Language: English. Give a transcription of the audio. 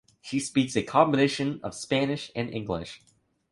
She speaks a combination of Spanish and English.